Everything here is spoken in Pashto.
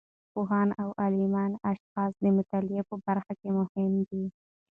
پوهان او علمي اشخاص د مطالعې په برخه کې مهم دي.